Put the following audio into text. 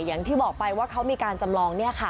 อย่างที่บอกไปว่าเขามีการจำลอง